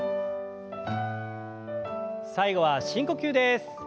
最後は深呼吸です。